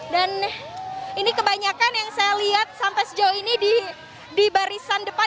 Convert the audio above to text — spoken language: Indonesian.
ini kebanyakan yang saya lihat sampai sejauh ini di barisan depan